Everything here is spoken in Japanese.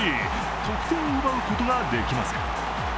得点を奪うことができません。